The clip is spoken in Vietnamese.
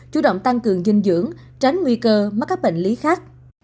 chủ động tăng cường dinh dưỡng tránh nguy cơ mắc các bệnh lý khác